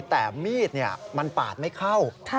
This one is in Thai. แต่มีดมันปาดไม่เข้า